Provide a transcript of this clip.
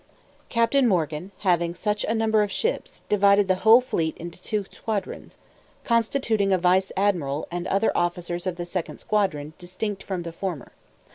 Captain Morgan having such a number of ships, divided the whole fleet into two squadrons, constituting a vice admiral, and other officers of the second squadron, distinct from the former.